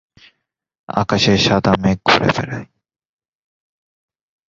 আকাশে সাদা মেঘ ঘুরে বেড়ায়।